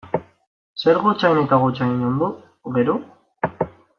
Zer gotzain eta gotzainondo, gero?